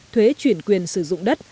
thuế chuyển quyền sử dụng đất